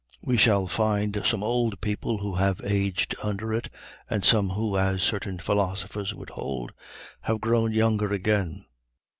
We shall find some old people who have aged under it, and some who, as certain philosophers would hold, have grown younger again.